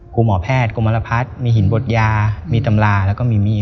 คุณหมอแพทย์กรมรพัฒน์มีหินบดยามีตำราแล้วก็มีมีด